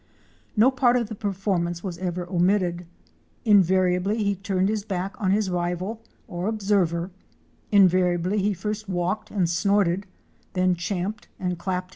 No part of the performance was ever omitted. Invariably he turned his back on his rival or observer, invariably he first walked and snorted, then champed and clapped his TuirD PHASE OF CURASSOW STRUTTING.